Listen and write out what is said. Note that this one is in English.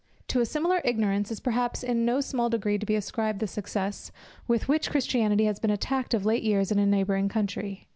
To a similar ignorance is perhaps in no small degree to be ascribed the success, with which Christianity has been attacked of late years in a neighbouring country.